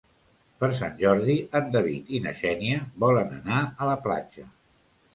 Per Sant Jordi en David i na Xènia volen anar a la platja.